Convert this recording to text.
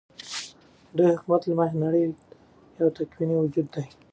ددي حكومت له مخې نړۍ يو تكويني وجود دى ،